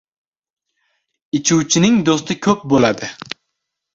• Ichuvchining do‘sti ko‘p bo‘ladi.